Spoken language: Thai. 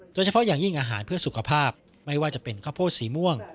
โดยเฉพาะอย่างยิ่งอาหารเพื่อสุขภาพไม่ว่าจะเป็นข้าวโพดสีม่วง